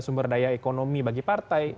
sumber daya ekonomi bagi partai